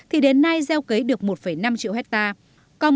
thì đến nay gieo cấy được một năm triệu hectare